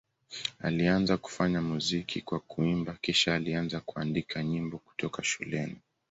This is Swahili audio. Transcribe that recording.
Alianza kufanya muziki kwa kuimba, kisha alianza kuandika nyimbo kutoka shuleni.